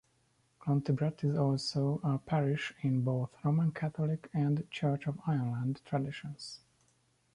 Clontibret is also a parish in both Roman Catholic and Church of Ireland traditions.